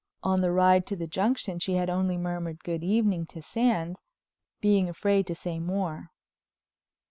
On the ride to the Junction she had only murmured "Good evening" to Sands, being afraid to say more.